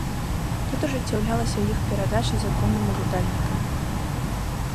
Тут ажыццяўлялася іх перадача законным уладальнікам.